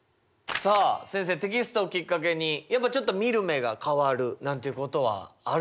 さあ先生テキストをきっかけにやっぱちょっと見る目が変わるなんていうことはあるんですね。